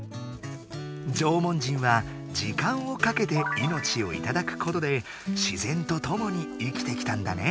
縄文人は時間をかけて命をいただくことで自然とともに生きてきたんだね。